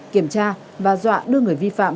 kiểm tra và dọa đưa người vi phạm